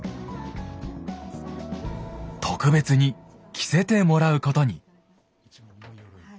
特別に着せてもらうことに。